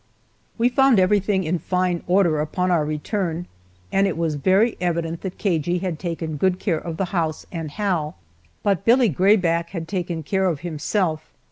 We found everything in fine order upon our return, and it was very evident that Cagey had taken good care of the house and Hal, but Billie grayback had taken care of himself.